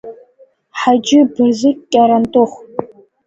Ҳаџьы Бырзықь Кьарантыхә.